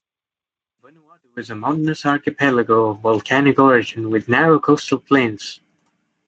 Vanuatu is a mountainous archipelago of volcanic origin with narrow coastal plains.